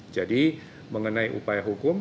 jadi mengenai upaya hukum